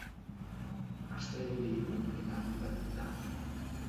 Asteroide ilun eta handi bat da.